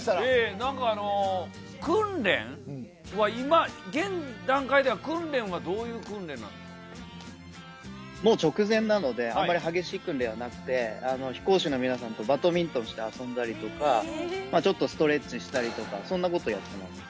なんか、訓練は、今現段階でもう直前なので、あまり激しい訓練はなくて、飛行士の皆さんとバドミントンして遊んだりとか、ちょっとストレッチしたりとか、そんなことをやってます。